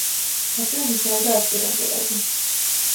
ასევე მუშაობდა ასპირანტურაზე.